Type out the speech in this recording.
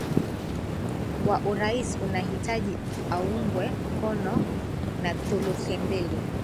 wa urais anahitaji aungwe mkono na thuluthi mbili